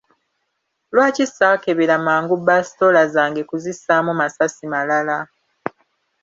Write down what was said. Lwaki saakebera mangu basitoola zange kuzissaamu masasi malala?